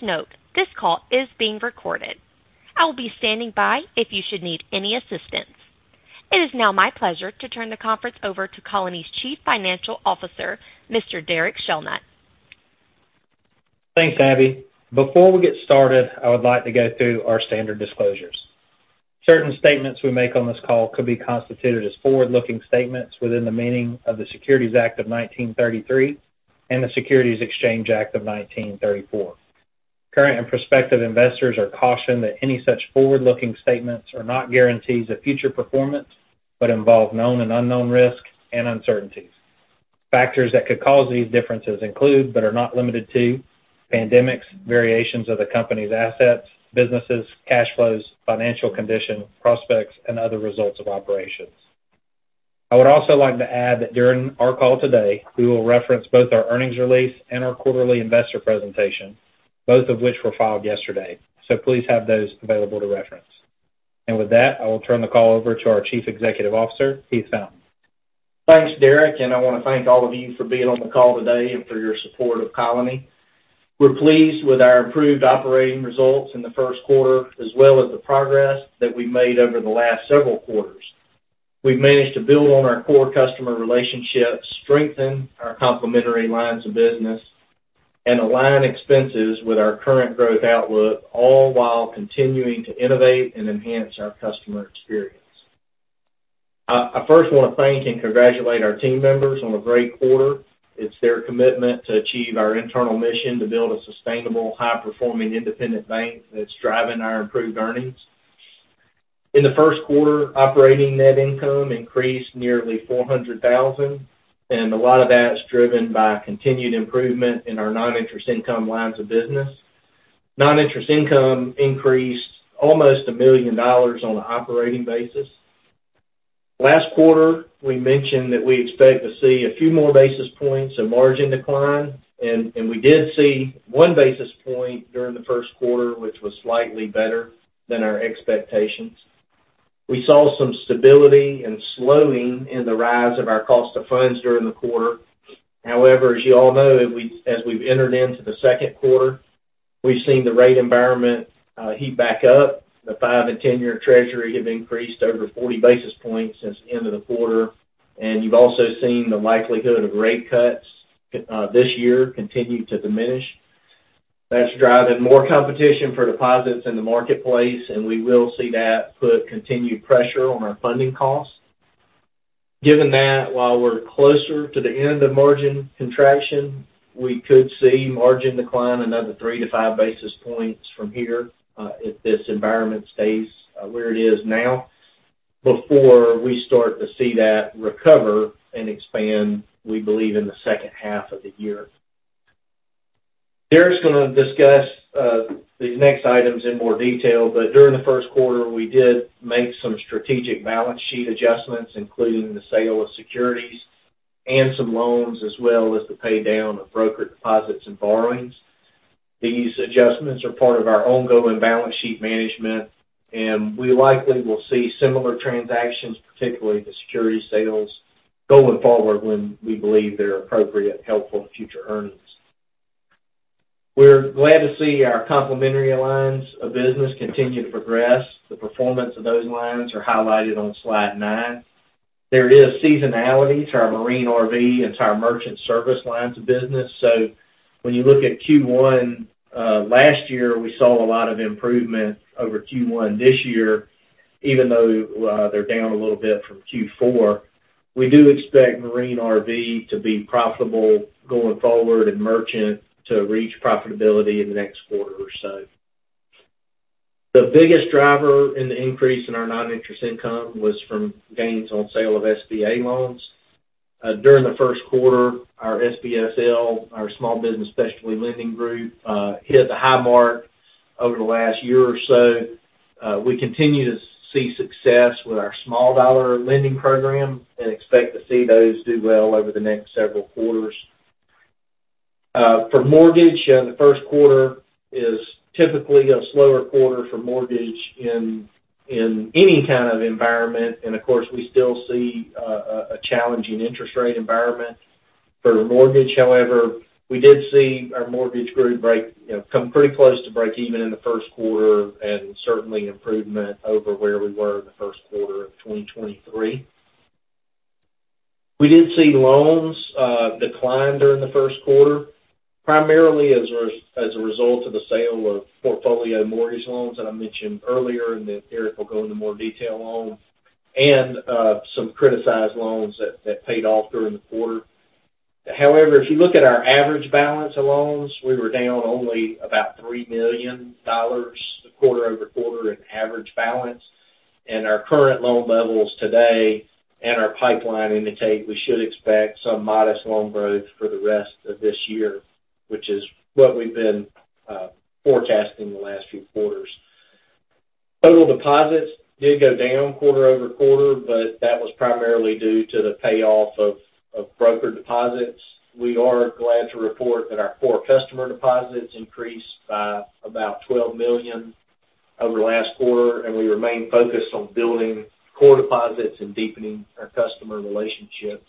Please note this call is being recorded. I will be standing by if you should need any assistance. It is now my pleasure to turn the conference over to Colony's Chief Financial Officer, Mr. Derek Shelnutt. Thanks, Abby. Before we get started, I would like to go through our standard disclosures. Certain statements we make on this call could be constituted as forward-looking statements within the meaning of the Securities Act of 1933 and the Securities Exchange Act of 1934. Current and prospective investors are cautioned that any such forward-looking statements are not guarantees of future performance but involve known and unknown risk and uncertainties. Factors that could cause these differences include but are not limited to pandemics, variations of the company's assets, businesses, cash flows, financial condition, prospects, and other results of operations. I would also like to add that during our call today, we will reference both our earnings release and our quarterly investor presentation, both of which were filed yesterday, so please have those available to reference. With that, I will turn the call over to our Chief Executive Officer, Heath Fountain. Thanks, Derek. I want to thank all of you for being on the call today and for your support of Colony. We're pleased with our improved operating results in the first quarter as well as the progress that we've made over the last several quarters. We've managed to build on our core customer relationships, strengthen our complementary lines of business, and align expenses with our current growth outlook, all while continuing to innovate and enhance our customer experience. I first want to thank and congratulate our team members on a great quarter. It's their commitment to achieve our internal mission to build a sustainable, high-performing independent bank that's driving our improved earnings. In the first quarter, operating net income increased nearly $400,000, and a lot of that's driven by continued improvement in our non-interest income lines of business. Non-interest income increased almost $1 million on an operating basis. Last quarter, we mentioned that we expect to see a few more basis points of margin decline, and we did see 1 basis point during the first quarter, which was slightly better than our expectations. We saw some stability and slowing in the rise of our cost of funds during the quarter. However, as you all know, as we've entered into the second quarter, we've seen the rate environment heat back up. The five and 10-year Treasury have increased over 40 basis points since the end of the quarter, and you've also seen the likelihood of rate cuts this year continue to diminish. That's driving more competition for deposits in the marketplace, and we will see that put continued pressure on our funding costs. Given that, while we're closer to the end of margin contraction, we could see margin decline another 3 basis points-5 basis points from here if this environment stays where it is now before we start to see that recover and expand, we believe, in the second half of the year. Derek's going to discuss these next items in more detail, but during the first quarter, we did make some strategic balance sheet adjustments, including the sale of securities and some loans as well as the paydown of brokered deposits and borrowings. These adjustments are part of our ongoing balance sheet management, and we likely will see similar transactions, particularly the security sales, going forward when we believe they're appropriate, helpful future earnings. We're glad to see our complementary lines of business continue to progress. The performance of those lines are highlighted on slide 9. There are seasonalities to our marine and RV and to our merchant service lines of business. So when you look at Q1 last year, we saw a lot of improvement over Q1 this year, even though they're down a little bit from Q4. We do expect marine and RV to be profitable going forward and merchant to reach profitability in the next quarter or so. The biggest driver in the increase in our non-interest income was from gains on sale of SBA loans. During the first quarter, our SBSL, our Small Business Specialty Lending Group, hit the high mark over the last year or so. We continue to see success with our small dollar lending program and expect to see those do well over the next several quarters. For mortgage, the first quarter is typically a slower quarter for mortgage in any kind of environment. Of course, we still see a challenging interest rate environment for mortgage. However, we did see our mortgage group come pretty close to break even in the first quarter and certainly improvement over where we were in the first quarter of 2023. We did see loans decline during the first quarter, primarily as a result of the sale of portfolio mortgage loans that I mentioned earlier and that Derek will go into more detail on, and some criticized loans that paid off during the quarter. However, if you look at our average balance of loans, we were down only about $3 million quarter-over-quarter in average balance. Our current loan levels today and our pipeline indicate we should expect some modest loan growth for the rest of this year, which is what we've been forecasting the last few quarters. Total deposits did go down quarter-over-quarter, but that was primarily due to the payoff of broker deposits. We are glad to report that our core customer deposits increased by about $12 million over the last quarter, and we remain focused on building core deposits and deepening our customer relationships.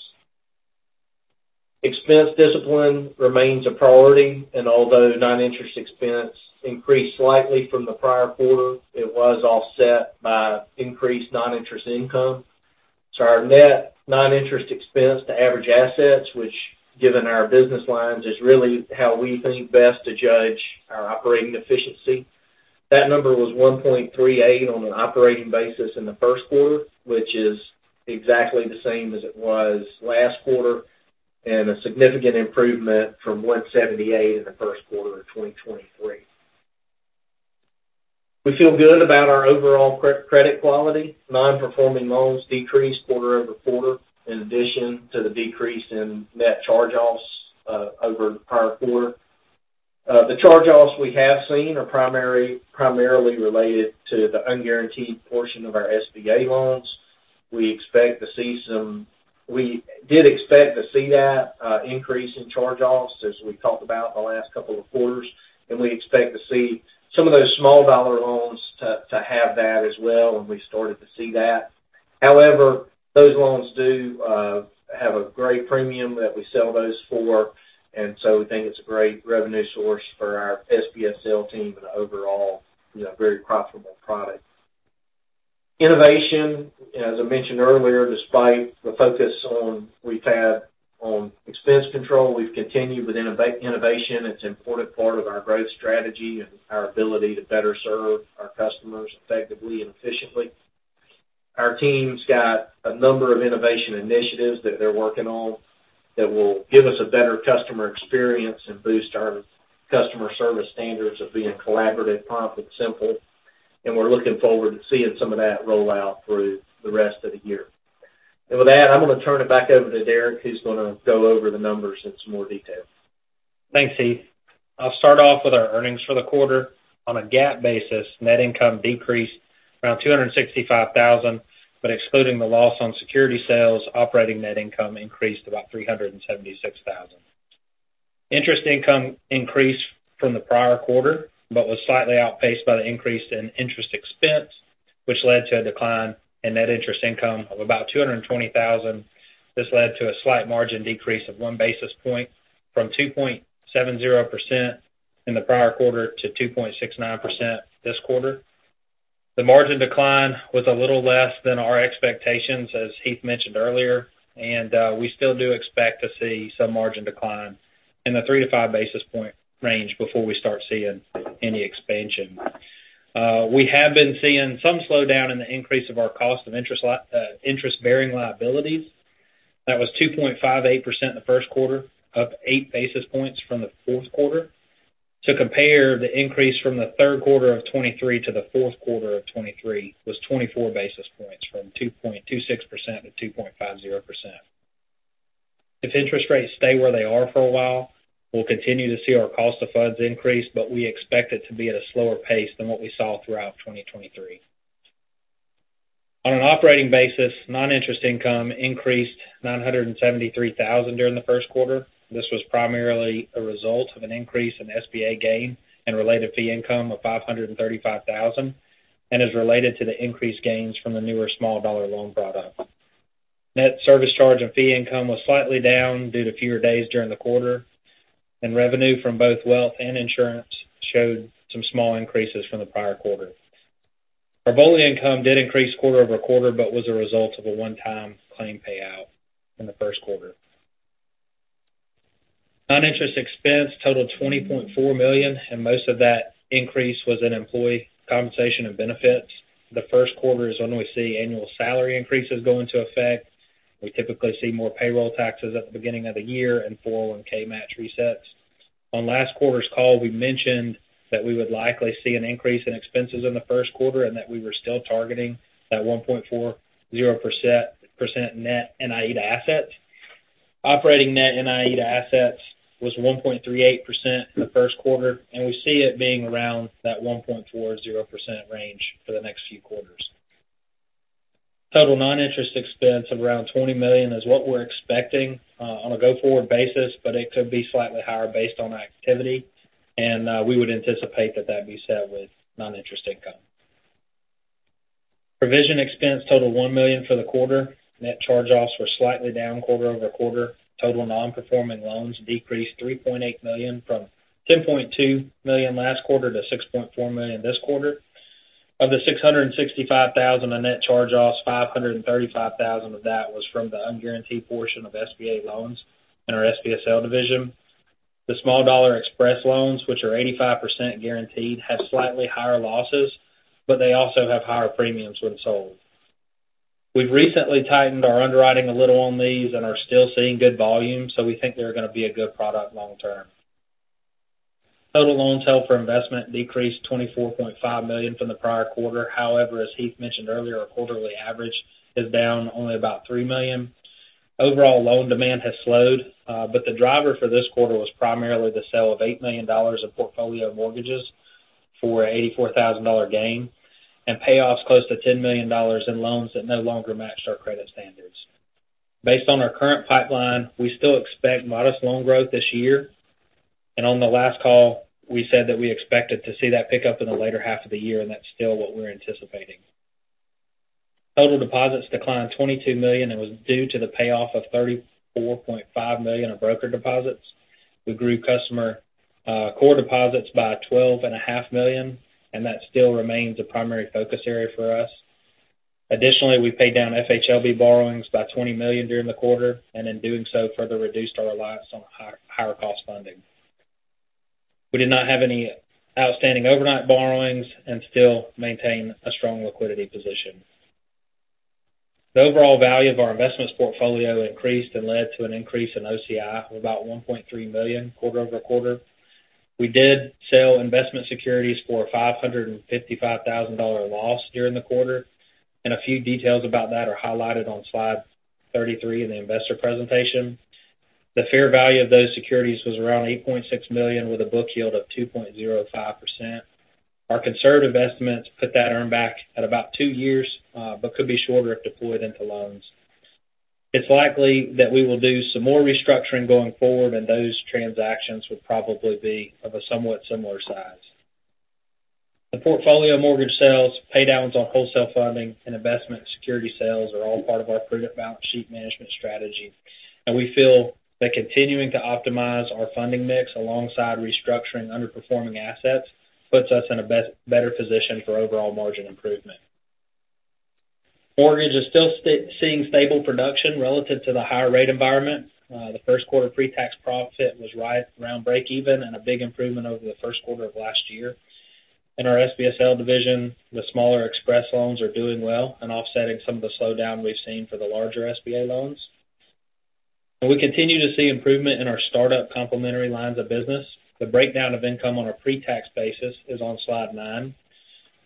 Expense discipline remains a priority, and although non-interest expense increased slightly from the prior quarter, it was offset by increased non-interest income. So our net non-interest expense to average assets, which, given our business lines, is really how we think best to judge our operating efficiency. That number was 1.38 on an operating basis in the first quarter, which is exactly the same as it was last quarter and a significant improvement from 1.78% in the first quarter of 2023. We feel good about our overall credit quality. Non-performing loans decreased quarter-over-quarter in addition to the decrease in net charge-offs over the prior quarter. The charge-offs we have seen are primarily related to the unguaranteed portion of our SBA loans. We expect to see some we did expect to see that increase in charge-offs, as we talked about, the last couple of quarters. We expect to see some of those small dollar loans to have that as well, and we started to see that. However, those loans do have a great premium that we sell those for, and so we think it's a great revenue source for our SBSL team and overall very profitable product. Innovation, as I mentioned earlier, despite the focus we've had on expense control, we've continued with innovation. It's an important part of our growth strategy and our ability to better serve our customers effectively and efficiently. Our team's got a number of innovation initiatives that they're working on that will give us a better customer experience and boost our customer service standards of being collaborative, prompt, and simple. We're looking forward to seeing some of that roll out through the rest of the year. With that, I'm going to turn it back over to Derek, who's going to go over the numbers in some more detail. Thanks, Heath. I'll start off with our earnings for the quarter. On a GAAP basis, net income decreased around $265,000, but excluding the loss on security sales, operating net income increased about $376,000. Interest income increased from the prior quarter but was slightly outpaced by the increase in interest expense, which led to a decline in net interest income of about $220,000. This led to a slight margin decrease of 1 basis point from 2.70% in the prior quarter to 2.69% this quarter. The margin decline was a little less than our expectations, as Heath mentioned earlier, and we still do expect to see some margin decline in the 3 basis point-5 basis point range before we start seeing any expansion. We have been seeing some slowdown in the increase of our cost of interest bearing liabilities. That was 2.58% the first quarter, up 8 basis points from the fourth quarter. To compare, the increase from the third quarter of 2023 to the fourth quarter of 2023 was 24 basis points from 2.26%-2.50%. If interest rates stay where they are for a while, we'll continue to see our cost of funds increase, but we expect it to be at a slower pace than what we saw throughout 2023. On an operating basis, non-interest income increased $973,000 during the first quarter. This was primarily a result of an increase in SBA gain and related fee income of $535,000 and is related to the increased gains from the newer small dollar loan product. Net service charge and fee income was slightly down due to fewer days during the quarter, and revenue from both wealth and insurance showed some small increases from the prior quarter. Our BOLI income did increase quarter-over-quarter but was a result of a one-time claim payout in the first quarter. Non-interest expense totaled $20.4 million, and most of that increase was in employee compensation and benefits. The first quarter is when we see annual salary increases go into effect. We typically see more payroll taxes at the beginning of the year and 401(k) match resets. On last quarter's call, we mentioned that we would likely see an increase in expenses in the first quarter and that we were still targeting that 1.40% net NIE to assets. Operating net NIE to assets was 1.38% in the first quarter, and we see it being around that 1.40% range for the next few quarters. Total non-interest expense of around $20 million is what we're expecting on a go-forward basis, but it could be slightly higher based on activity, and we would anticipate that that be set with non-interest income. Provision expense totaled $1 million for the quarter. Net charge-offs were slightly down quarter-over-quarter. Total non-performing loans decreased $3.8 million from $10.2 million last quarter to $6.4 million this quarter. Of the $665,000 in net charge-offs, $535,000 of that was from the unguaranteed portion of SBA loans in our SBSL division. The small dollar express loans, which are 85% guaranteed, have slightly higher losses, but they also have higher premiums when sold. We've recently tightened our underwriting a little on these and are still seeing good volume, so we think they're going to be a good product long term. Total loans held for investment decreased $24.5 million from the prior quarter. However, as Heath mentioned earlier, our quarterly average is down only about $3 million. Overall, loan demand has slowed, but the driver for this quarter was primarily the sale of $8 million of portfolio mortgages for an $84,000 gain and payoffs close to $10 million in loans that no longer matched our credit standards. Based on our current pipeline, we still expect modest loan growth this year. On the last call, we said that we expected to see that pick up in the later half of the year, and that's still what we're anticipating. Total deposits declined $22 million and was due to the payoff of $34.5 million of broker deposits. We grew customer core deposits by $12.5 million, and that still remains a primary focus area for us. Additionally, we paid down FHLB borrowings by $20 million during the quarter, and in doing so, further reduced our reliance on higher cost funding. We did not have any outstanding overnight borrowings and still maintain a strong liquidity position. The overall value of our investments portfolio increased and led to an increase in OCI of about $1.3 million quarter over quarter. We did sell investment securities for a $555,000 loss during the quarter, and a few details about that are highlighted on slide 33 in the investor presentation. The fair value of those securities was around $8.6 million with a book yield of 2.05%. Our conservative estimates put that earnback at about two years but could be shorter if deployed into loans. It's likely that we will do some more restructuring going forward, and those transactions would probably be of a somewhat similar size. The portfolio mortgage sales, paydowns on wholesale funding, and investment security sales are all part of our prudent balance sheet management strategy. We feel that continuing to optimize our funding mix alongside restructuring underperforming assets puts us in a better position for overall margin improvement. Mortgage is still seeing stable production relative to the higher rate environment. The first quarter pre-tax profit was right around break even and a big improvement over the first quarter of last year. Our SBSL division, the smaller express loans, are doing well and offsetting some of the slowdown we've seen for the larger SBA loans. We continue to see improvement in our startup complementary lines of business. The breakdown of income on a pre-tax basis is on slide 9.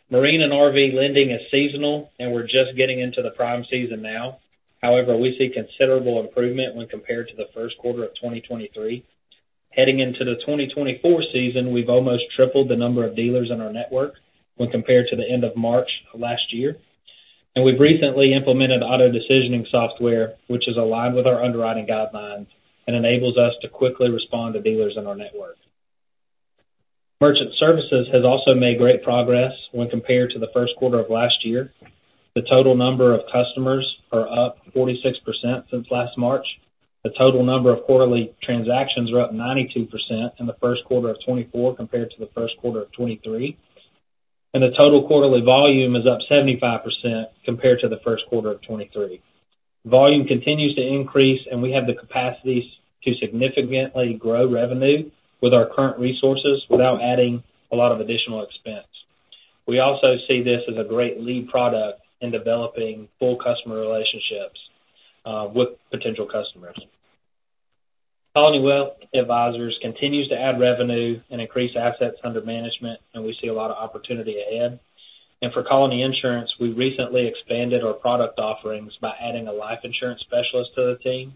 Marine and RV lending is seasonal, and we're just getting into the prime season now. However, we see considerable improvement when compared to the first quarter of 2023. Heading into the 2024 season, we've almost tripled the number of dealers in our network when compared to the end of March of last year. We've recently implemented auto decisioning software, which is aligned with our underwriting guidelines and enables us to quickly respond to dealers in our network. Merchant Services has also made great progress when compared to the first quarter of last year. The total number of customers are up 46% since last March. The total number of quarterly transactions are up 92% in the first quarter of 2024 compared to the first quarter of 2023. The total quarterly volume is up 75% compared to the first quarter of 2023. Volume continues to increase, and we have the capacities to significantly grow revenue with our current resources without adding a lot of additional expense. We also see this as a great lead product in developing full customer relationships with potential customers. Colony Wealth Advisors continues to add revenue and increase assets under management, and we see a lot of opportunity ahead. And for Colony Insurance, we recently expanded our product offerings by adding a life insurance specialist to the team.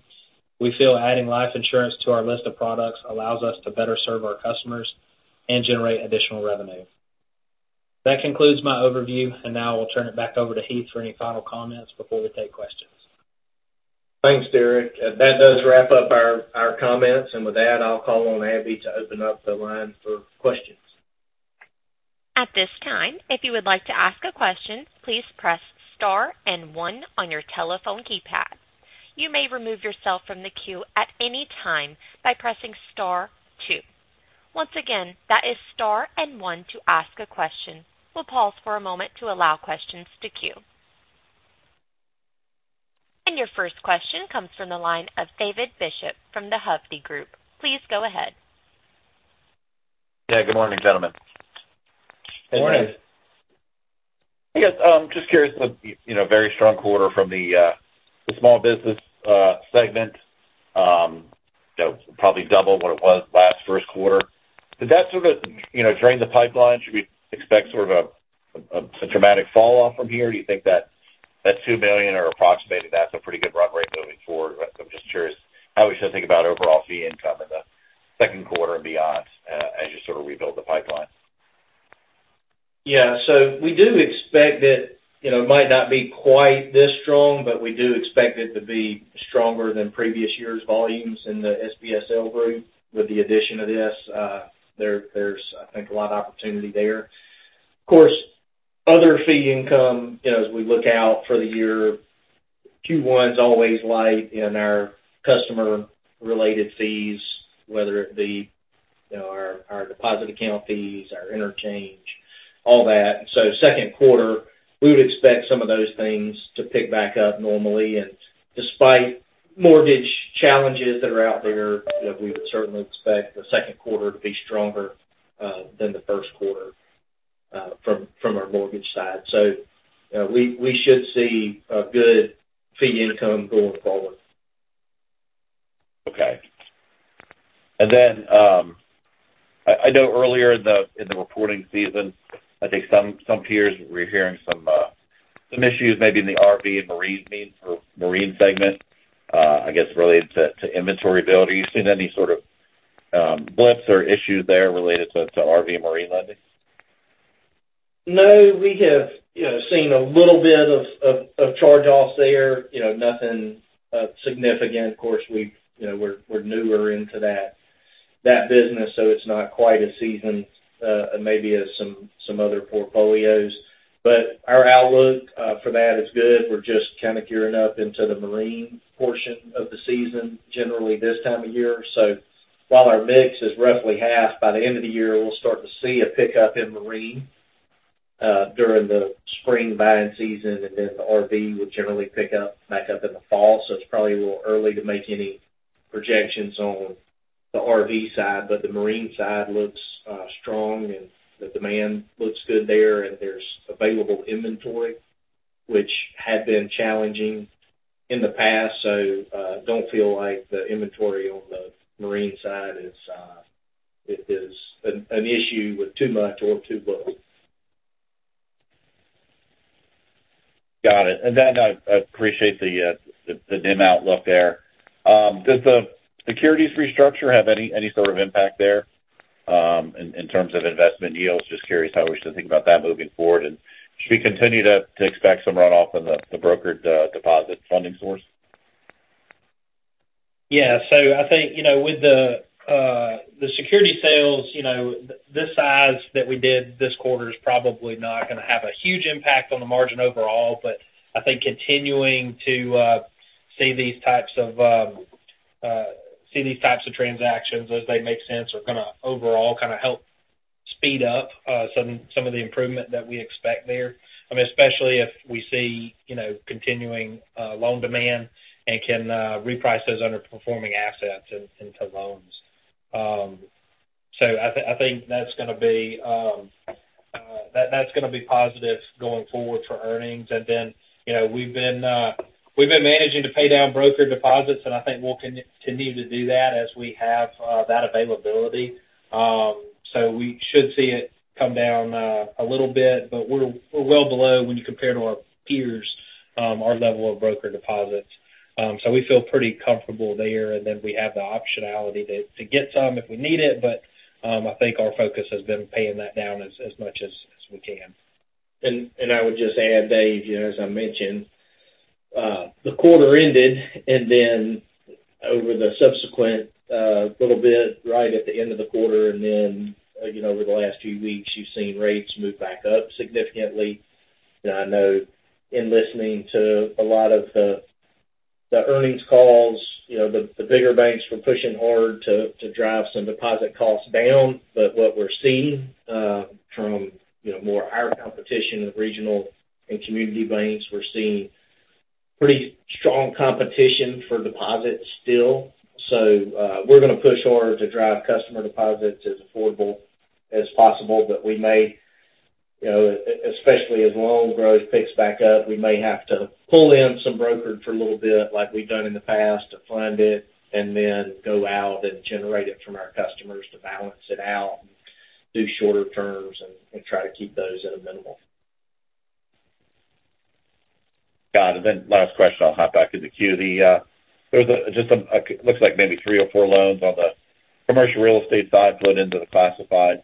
We feel adding life insurance to our list of products allows us to better serve our customers and generate additional revenue. That concludes my overview, and now I'll turn it back over to Heath for any final comments before we take questions. Thanks, Derek. That does wrap up our comments, and with that, I'll call on Abby to open up the line for questions. At this time, if you would like to ask a question, please press star and one on your telephone keypad. You may remove yourself from the queue at any time by pressing star two. Once again, that is star and one to ask a question. We'll pause for a moment to allow questions to queue. Your first question comes from the line of David Bishop from the Hovde Group. Please go ahead. Yeah. Good morning, gentlemen. Good morning. I guess I'm just curious. Very strong quarter from the small business segment, probably double what it was last first quarter. Did that sort of drain the pipeline? Should we expect sort of a dramatic falloff from here? Do you think that $2 million or approximating that's a pretty good run rate moving forward? I'm just curious how we should think about overall fee income in the second quarter and beyond as you sort of rebuild the pipeline. Yeah. So we do expect it might not be quite this strong, but we do expect it to be stronger than previous year's volumes in the SBSL group with the addition of this. There's, I think, a lot of opportunity there. Of course, other fee income, as we look out for the year, Q1's always light in our customer-related fees, whether it be our deposit account fees, our interchange, all that. So second quarter, we would expect some of those things to pick back up normally. And despite mortgage challenges that are out there, we would certainly expect the second quarter to be stronger than the first quarter from our mortgage side. So we should see good fee income going forward. Okay. And then I know earlier in the reporting season, I think some peers were hearing some issues maybe in the RV and marine segment, I guess, related to inability. You've seen any sort of blips or issues there related to RV and marine lending? No. We have seen a little bit of charge-offs there, nothing significant. Of course, we're newer into that business, so it's not quite as seasoned and maybe as some other portfolios. But our outlook for that is good. We're just kind of gearing up into the marine portion of the season generally this time of year. So while our mix is roughly half, by the end of the year, we'll start to see a pickup in marine during the spring buy-in season, and then the RV would generally pick back up in the fall. So it's probably a little early to make any projections on the RV side, but the marine side looks strong, and the demand looks good there, and there's available inventory, which had been challenging in the past. So don't feel like the inventory on the marine side is an issue with too much or too little. Got it. And I appreciate the dim outlook there. Does the securities restructure have any sort of impact there in terms of investment yields? Just curious how we should think about that moving forward. And should we continue to expect some runoff in the brokered deposit funding source? Yeah. So I think with the security sales, this size that we did this quarter is probably not going to have a huge impact on the margin overall, but I think continuing to see these types of transactions as they make sense are going to overall kind of help speed up some of the improvement that we expect there, I mean, especially if we see continuing loan demand and can reprice those underperforming assets into loans. So I think that's going to be positive going forward for earnings. And then we've been managing to pay down brokered deposits, and I think we'll continue to do that as we have that availability. So we should see it come down a little bit, but we're well below, when you compare to our peers, our level of brokered deposits. So we feel pretty comfortable there, and then we have the optionality to get some if we need it. But I think our focus has been paying that down as much as we can. And I would just add, Dave, as I mentioned, the quarter ended, and then over the subsequent little bit right at the end of the quarter and then over the last few weeks, you've seen rates move back up significantly. And I know in listening to a lot of the earnings calls, the bigger banks were pushing hard to drive some deposit costs down. But what we're seeing from more our competition in regional and community banks, we're seeing pretty strong competition for deposits still. So we're going to push hard to drive customer deposits as affordable as possible. But we may, especially as loan growth picks back up, we may have to pull in some brokered for a little bit like we've done in the past to fund it and then go out and generate it from our customers to balance it out and do shorter terms and try to keep those at a minimum. Got it. Then last question, I'll hop back in the queue. There's just looks like maybe three or four loans on the commercial real estate side flowed into the classified.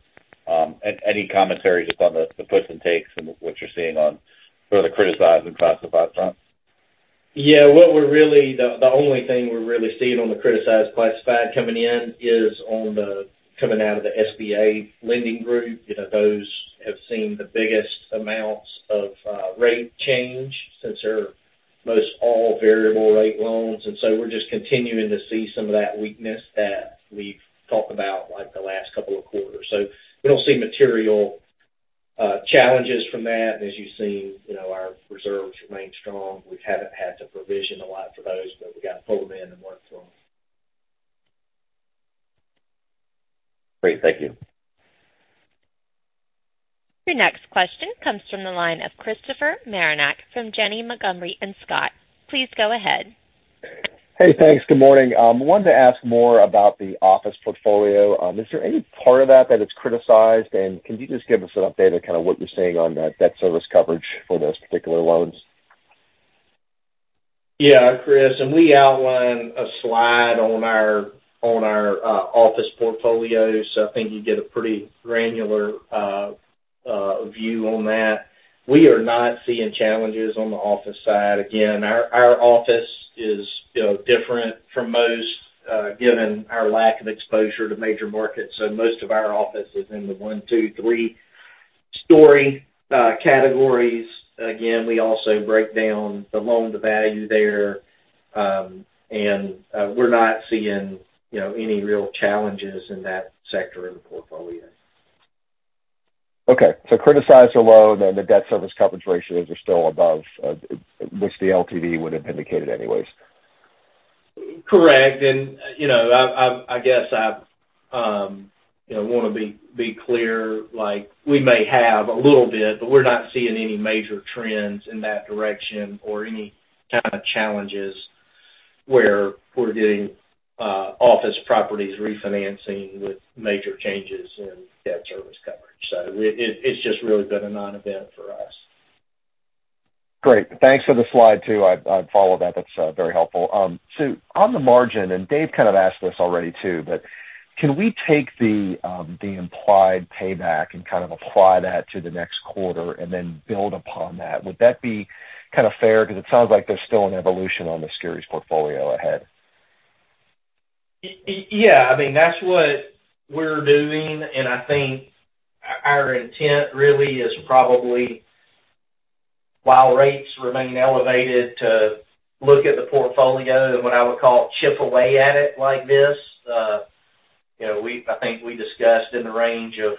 Any commentary just on the puts and takes and what you're seeing on sort of the criticized and classified front? Yeah. The only thing we're really seeing on the criticized classified coming in is coming out of the SBA lending group. Those have seen the biggest amounts of rate change since they're most all variable rate loans. And so we're just continuing to see some of that weakness that we've talked about the last couple of quarters. So we don't see material challenges from that. And as you've seen, our reserves remain strong. We haven't had to provision a lot for those, but we got to pull them in and work through them. Great. Thank you. Your next question comes from the line of Christopher Marinak from Janney Montgomery Scott. Please go ahead. Hey. Thanks. Good morning. I wanted to ask more about the office portfolio. Is there any part of that that is criticized? And can you just give us an update of kind of what you're seeing on debt service coverage for those particular loans? Yeah, Chris. And we outline a slide on our office portfolios, so I think you get a pretty granular view on that. We are not seeing challenges on the office side. Again, our office is different from most given our lack of exposure to major markets. So most of our office is in the one, two, three-story categories. Again, we also break down the loan to value there, and we're not seeing any real challenges in that sector of the portfolio there. Okay. So criticized are low, and then the debt service coverage ratios are still above, which the LTV would have indicated anyways. Correct. And I guess I want to be clear. We may have a little bit, but we're not seeing any major trends in that direction or any kind of challenges where we're getting office properties refinancing with major changes in debt service coverage. So it's just really been a non-event for us. Great. Thanks for the slide too. I follow that. That's very helpful. So on the margin, and Dave kind of asked this already too, but can we take the implied payback and kind of apply that to the next quarter and then build upon that? Would that be kind of fair? Because it sounds like there's still an evolution on the Securities Portfolio ahead. Yeah. I mean, that's what we're doing. I think our intent really is probably, while rates remain elevated, to look at the portfolio and what I would call chip away at it like this. I think we discussed in the range of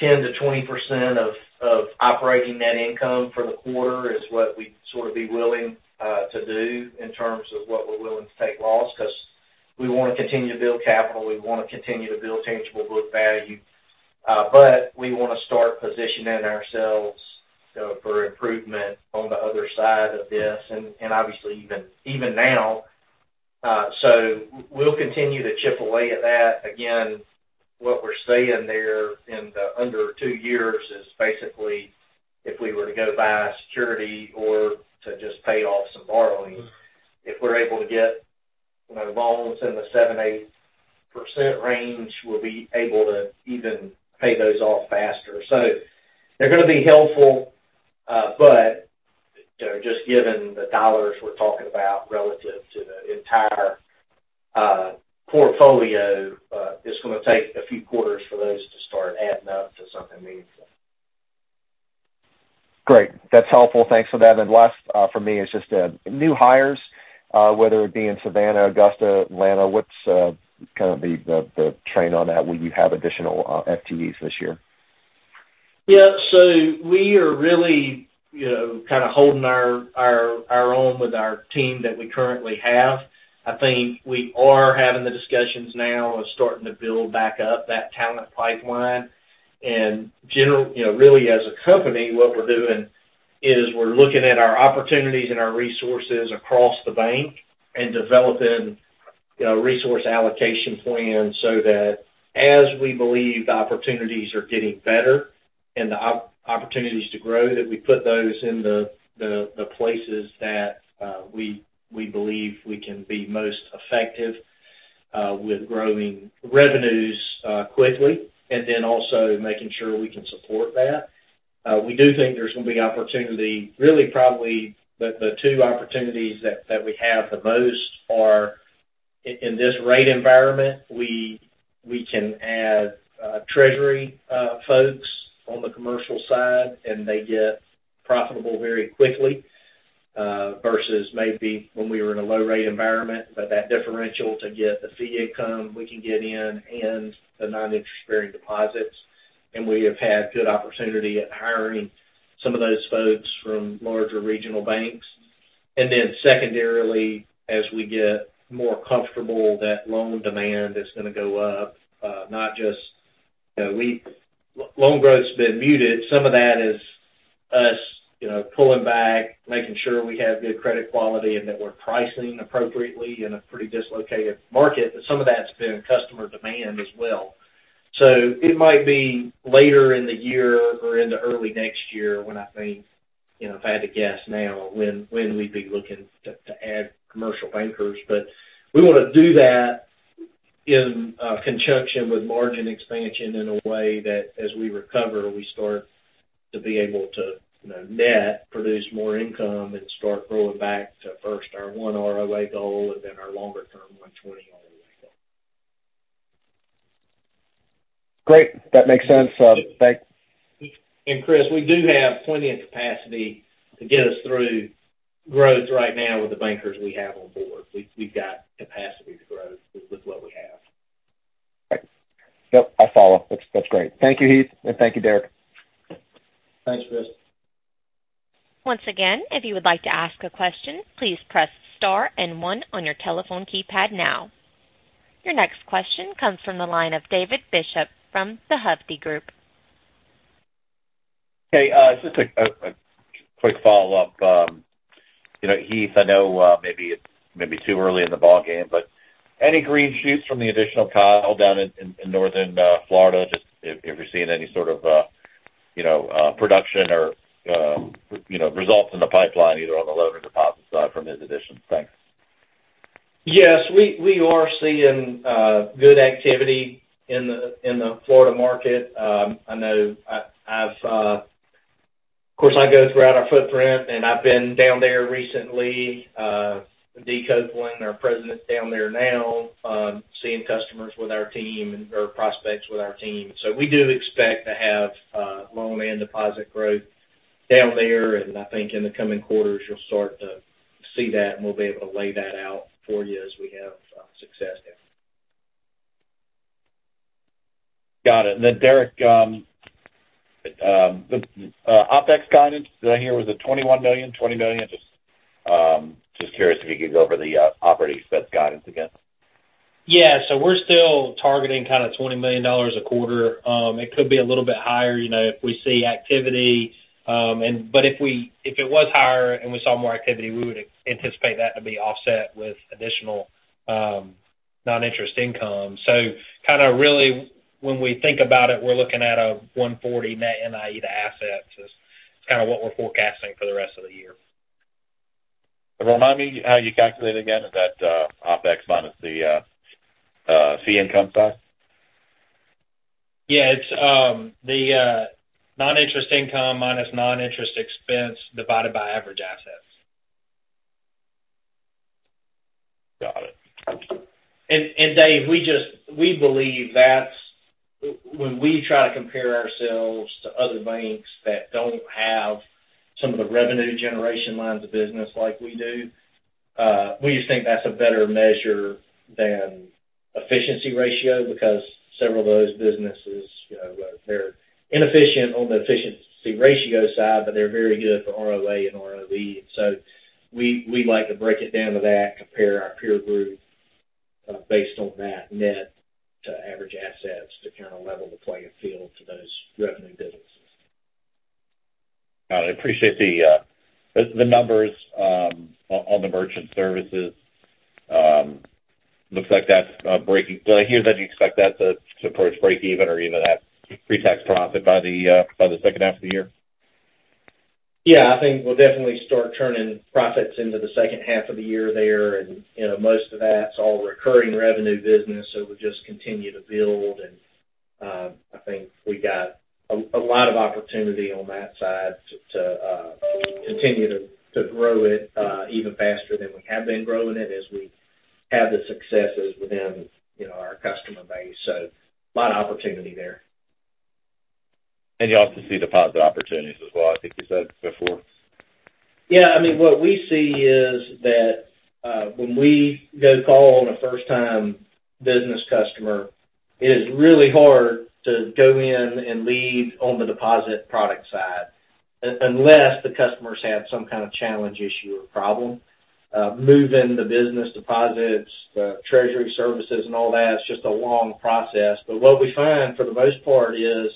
10%-20% of operating net income for the quarter is what we'd sort of be willing to do in terms of what we're willing to take loss because we want to continue to build capital. We want to continue to build tangible book value. But we want to start positioning ourselves for improvement on the other side of this, and obviously, even now. So we'll continue to chip away at that. Again, what we're saying there in under two years is basically if we were to go buy security or to just pay off some borrowing, if we're able to get loans in the 7%-8% range, we'll be able to even pay those off faster. So they're going to be helpful, but just given the dollars we're talking about relative to the entire portfolio, it's going to take a few quarters for those to start adding up to something meaningful. Great. That's helpful. Thanks for that. And last for me is just new hires, whether it be in Savannah, Augusta, Atlanta. What's kind of the trend on that? Will you have additional FTEs this year? Yeah. So we are really kind of holding our own with our team that we currently have. I think we are having the discussions now of starting to build back up that talent pipeline. And really, as a company, what we're doing is we're looking at our opportunities and our resources across the bank and developing resource allocation plans so that as we believe the opportunities are getting better and the opportunities to grow, that we put those in the places that we believe we can be most effective with growing revenues quickly and then also making sure we can support that. We do think there's going to be opportunity really, probably the two opportunities that we have the most are in this rate environment, we can add treasury folks on the commercial side, and they get profitable very quickly versus maybe when we were in a low-rate environment. That differential to get the fee income we can get in and the non-interest-bearing deposits. We have had good opportunity at hiring some of those folks from larger regional banks. Then, secondarily, as we get more comfortable, that loan demand is going to go up, not just loan growth's been muted. Some of that is us pulling back, making sure we have good credit quality and that we're pricing appropriately in a pretty dislocated market. But some of that's been customer demand as well. So it might be later in the year or in the early next year when I think if I had to guess now when we'd be looking to add commercial bankers. We want to do that in conjunction with margin expansion in a way that as we recover, we start to be able to net produce more income and start growing back to first our 1 ROA goal and then our longer-term 1.20% ROA goal. Great. That makes sense. Thanks. And Chris, we do have plenty of capacity to get us through growth right now with the bankers we have on board. We've got capacity to grow with what we have. Yep. I follow. That's great. Thank you, Heath, and thank you, Derek. Thanks, Chris. Once again, if you would like to ask a question, please press star and one on your telephone keypad now. Your next question comes from the line of David Bishop from the Hovde Group. Okay. Just a quick follow-up. Heath, I know maybe it's too early in the ballgame, but any green shoots from the additional in Northern Florida, just if you're seeing any sort of production or results in the pipeline, either on the loan or deposit side, from his additions? Thanks. Yes. We are seeing good activity in the Florida market. Of course, I go throughout our footprint, and I've been down there recently. Dee Copeland, our president, is down there now seeing customers with our team or prospects with our team. So we do expect to have loan and deposit growth down there. And I think in the coming quarters, you'll start to see that, and we'll be able to lay that out for you as we have success down there. Got it. And then, Derek, the OPEX guidance. Just curious if you could go over the operating expense guidance again? Yeah. So we're still targeting kind of $20 million a quarter. It could be a little bit higher if we see activity. But if it was higher and we saw more activity, we would anticipate that to be offset with additional non-interest income. So kind of really, when we think about it, we're looking at a 140 basis points net NIE to assets. It's kind of what we're forecasting for the rest of the year. Remind me how you calculate again that OpEx minus the fee income side? Yeah. It's the non-interest income minus non-interest expense divided by average assets. Got it. And Dave, we believe that's when we try to compare ourselves to other banks that don't have some of the revenue generation lines of business like we do, we just think that's a better measure than efficiency ratio because several of those businesses, they're inefficient on the efficiency ratio side, but they're very good for ROA and ROE. And so we like to break it down to that, compare our peer group based on that net to average assets to kind of level the playing field for those revenue businesses. Got it. Appreciate the numbers on the Merchant Services. Looks like that's breaking. Do I hear that you expect that to approach break-even or even have pre-tax profit by the second half of the year? Yeah. I think we'll definitely start turning profits into the second half of the year there. And most of that's all recurring revenue business, so we'll just continue to build. And I think we got a lot of opportunity on that side to continue to grow it even faster than we have been growing it as we have the successes within our customer base. So a lot of opportunity there. You also see deposit opportunities as well, I think you said before. Yeah. I mean, what we see is that when we go call on a first-time business customer, it is really hard to go in and lead on the deposit product side unless the customer's had some kind of challenge issue or problem. Moving the business deposits, the treasury services, and all that, it's just a long process. But what we find for the most part is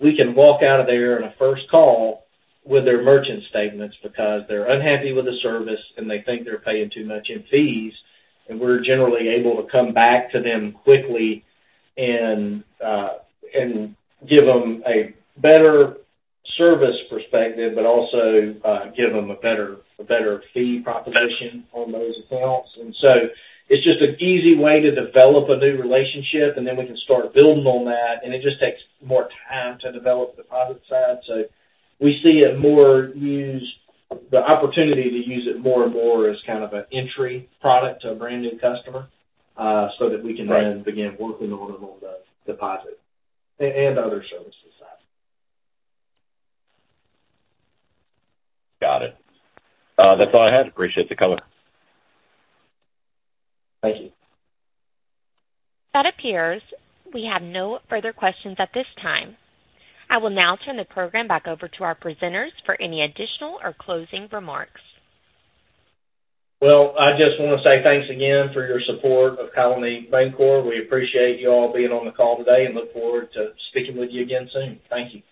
we can walk out of there on a first call with their merchant statements because they're unhappy with the service, and they think they're paying too much in fees. And we're generally able to come back to them quickly and give them a better service perspective but also give them a better fee proposition on those accounts. And so it's just an easy way to develop a new relationship, and then we can start building on that. It just takes more time to develop the deposit side. We see it more as the opportunity to use it more and more as kind of an entry product to a brand new customer so that we can then begin working on them on the deposit and other services side. Got it. That's all I had. Appreciate the cover. Thank you. That appears. We have no further questions at this time. I will now turn the program back over to our presenters for any additional or closing remarks. Well, I just want to say thanks again for your support of Colony Bankcorp. We appreciate you all being on the call today and look forward to speaking with you again soon. Thank you.